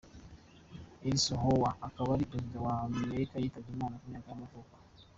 Eisenhower, akaba ari perezida wa wa Amerika yitabye Imana ku myaka y’amavuko.